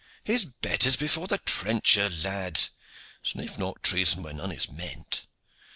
"His betters before the tranchoir, lad. Sniff not treason where none is meant.